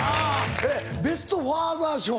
えっベスト・ファーザー賞。